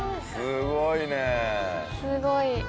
すごい。